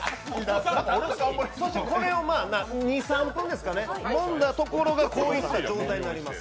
これを２３分、もんだところがこういった状態になります。